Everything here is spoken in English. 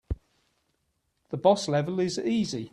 The boss level is easy.